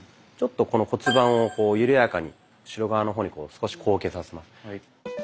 ちょっとこの骨盤を緩やかに後ろ側の方にこう少し後傾させます。